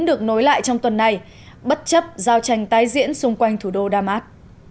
được nối lại trong tuần này bất chấp giao tranh tái diễn xung quanh thủ đô đa mát